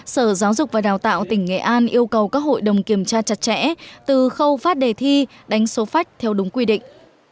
sở giáo dục và đào tạo tỉnh nghệ an yêu cầu các hội đồng kiểm tra chặt chẽ từ khâu phát đề thi đánh số phách theo đúng quy định